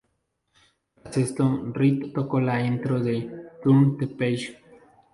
Tras esto, Reed tocó la intro de "Turn the Page".